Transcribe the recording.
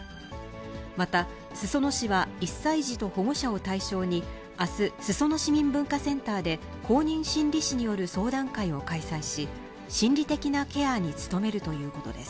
また、裾野市は１歳児と保護者を対象に、あす、裾野市民文化センターで公認心理師による相談会を開催し、心理的なケアに努めるということです。